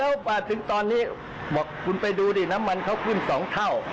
แล้วมาถึงตอนนี้บอกคุณไปดูดิน้ำมันเขาขึ้น๒เท่า